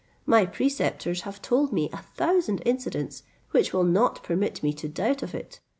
My preceptors have told me a thousand incidents, which will not permit me to doubt of it.